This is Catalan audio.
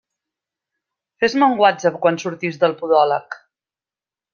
Fes-me un Whatsapp quan surtis del podòleg.